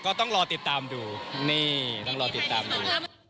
ก็ต้องรอติดตามดูนี่ต้องรอติดตามดู